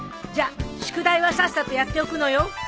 じゃあ宿題はさっさとやっておくのよ。